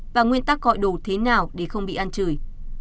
và nguyên tắc gọi đồ thế nào để không bị ăn trời